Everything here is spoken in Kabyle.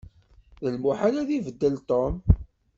D lmuḥal ad ibeddel Tom.